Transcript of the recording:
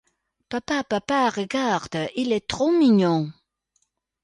Papa, Papa… Regarde… Il est trop mignon !